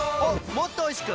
もっとおいしく！